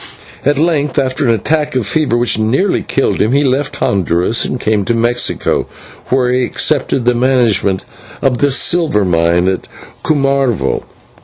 At length, after an attack of fever which nearly killed him, he left Honduras, and came to Mexico, where he accepted the management of this silver mine at Cumarvo.